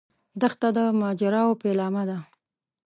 دښته د ماجراوو پیلامه ده.